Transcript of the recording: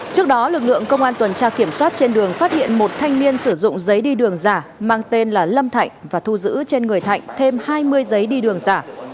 trước đó lực lượng công an tuần tra kiểm soát trên đường phát hiện một thanh niên sử dụng giấy đi đường giả mang tên là lâm thạnh và thu giữ trên người thạnh thêm hai mươi giấy đi đường giả